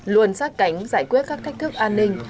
luôn sát cánh giải quyết các thách thức an ninh